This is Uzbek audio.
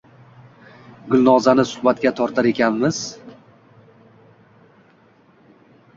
Gulnozani suhbatga tortar ekanmiz.